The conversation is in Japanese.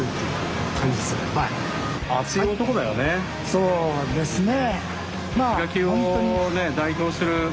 そうですね。